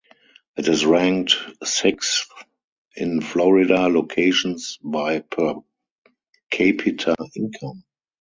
It is ranked sixth in Florida locations by per capita income.